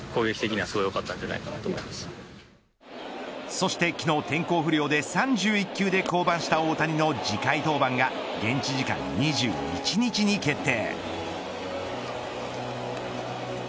そして昨日、天候不良で３１球で降板した大谷の次回登板が現地時間２１日に決定。